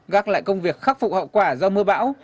gác lại công việc khắc phục hậu quả do mưa bão